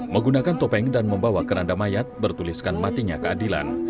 menggunakan topeng dan membawa keranda mayat bertuliskan matinya keadilan